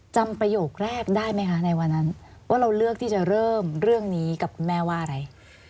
ประโยคแรกได้ไหมคะในวันนั้นว่าเราเลือกที่จะเริ่มเรื่องนี้กับคุณแม่ว่าอะไร